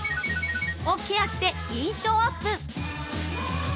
○○をケアして印象アップ。